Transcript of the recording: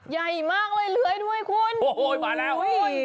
ใหญ่มากเลยเลื้อยด้วยคุณโอ้โหมาแล้ว